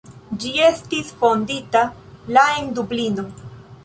Ĝi estis fondita la en Dublino.